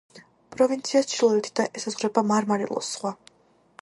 პროვინციას ჩრდილოეთიდან ესაზღვრება მარმარილოს ზღვა.